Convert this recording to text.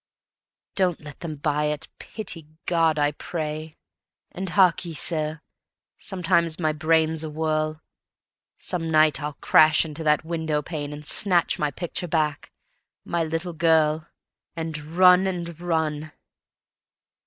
"Don't let them buy it, pitying God!" I pray! And hark ye, sir sometimes my brain's awhirl. Some night I'll crash into that window pane And snatch my picture back, my little girl, And run and run.